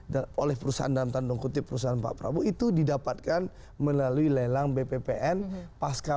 dan oleh perusahaan dalam tandung kutip perusahaan pak prabowo itu didapatkan melalui lelang bppn pasca